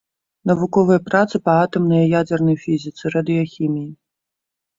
Навуковыя працы па атамнай і ядзернай фізіцы, радыяхіміі.